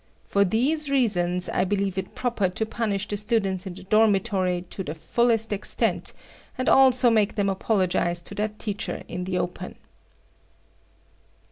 For these reasons, I believe it proper to punish the students in the dormitory to the fullest extent and also make them apologize to that teacher in the open."